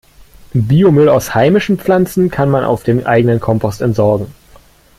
Biomüll aus heimischen Pflanzen kann man auf dem eigenen Kompost entsorgen.